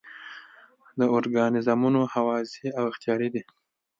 دا ارګانیزمونه هوازی او اختیاري دي.